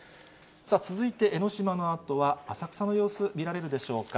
続いて江の島のあとは、浅草の様子、見られるでしょうか。